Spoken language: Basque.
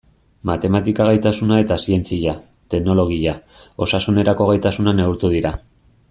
Matematika gaitasuna eta zientzia, teknologia, osasunerako gaitasuna neurtu dira.